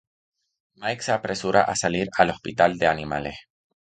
Mike se apresura a salir al hospital de animales.